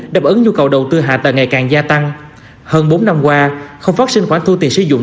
đáp ứng nhu cầu đầu tư hạ tầng ngày càng gia tăng hơn bốn năm qua không phát sinh khoản thu tiền sử dụng